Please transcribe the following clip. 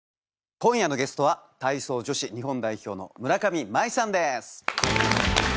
今夜のゲストは体操女子日本代表の村上茉愛さんです。